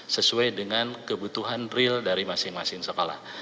sesuai dengan kebutuhan real dari masing masing sekolah